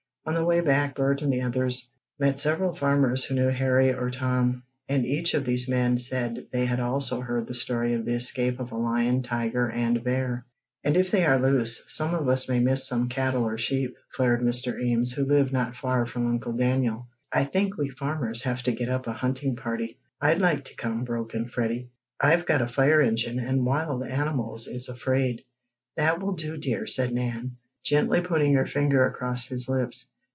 On the way back Bert and the others met several farmers who knew Harry or Tom, and each of these men said they had also heard the story of the escape of a lion, tiger and bear. "And if they are loose, some of us may miss some cattle or sheep," declared Mr. Ames, who lived not far from Uncle Daniel. "I think we farmers will have to get up a hunting party." "I'd like to come," broke in Freddie. "I've got a fire engine, and wild animals is afraid " "That will do, dear," said Nan, gently putting her finger across his lips.